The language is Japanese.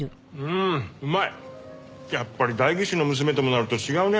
やっぱり代議士の娘ともなると違うね。